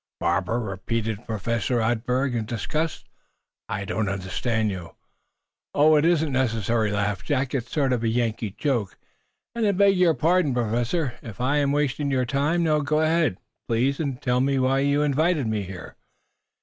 "Barber?" repeated Professor Radberg, in disgust. "I don't understand you." "Oh, it isn't necessary," laughed Jack. "It's a sort of Yankee joke. And I beg your pardon, Professor, if I am wasting your time. Now, go ahead, please, and tell me why you invited me here."